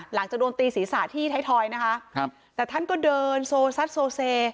หลังจากโดนตีศีรษะที่ไทยทอยนะคะครับแต่ท่านก็เดินโซซัดโซเซ